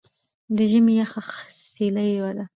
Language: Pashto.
د ژمي یخه څیله ده.